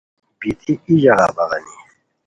بیتی ای ژاغا بغانی